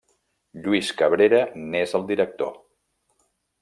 Lluís Cabrera n'és el director.